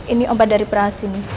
ini obat dari perahas ini